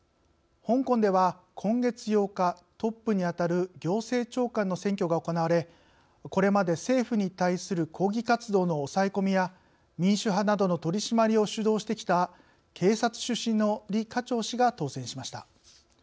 香港では、今月８日トップにあたる行政長官の選挙が行われこれまで政府に対する抗議活動の抑え込みや民主派などの取り締まりを主導してきた警察出身の李家超氏が当選しました。